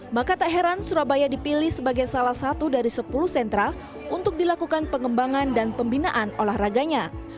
maka tak heran surabaya dipilih sebagai salah satu dari sepuluh sentra untuk dilakukan pengembangan dan pembinaan olahraganya